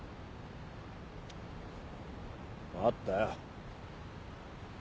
分かったよ。